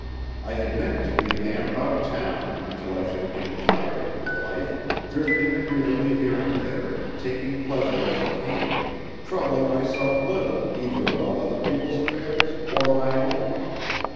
I had meant to be a man about town until I should again tire of the life, drifting agreeably here and there, taking pleasure as it came, troubling myself little either about other people's affairs or my own.